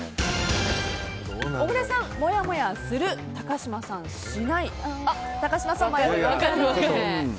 小倉さん、もやもやする高嶋さん、迷ってますね。